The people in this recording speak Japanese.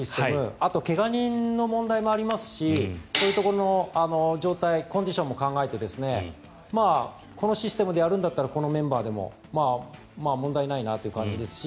あと怪我人の問題もありますしそういうところの状態コンディションも考えてこのシステムでやるんだったらこのメンバーでも問題ないなという感じですし